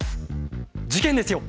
事件ですよ。